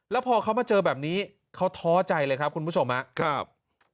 แล้วพอเขามาเจอแบบนี้เขาท้อใจเลยครับคุณผู้ชมครับ